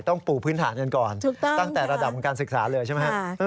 ต้องปลูกพื้นฐานกันก่อนตั้งแต่ระดับการศึกษาเลยใช่ไหม